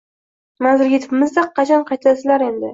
-Manzilga yetibmizda. Qachon qaytasizlar endi?